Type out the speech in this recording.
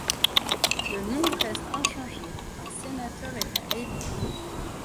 Le nombre reste inchangé, un sénateur est à élire.